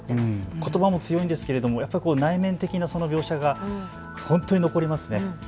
ことばも強いんですけれども内面的な描写が本当に残りますね。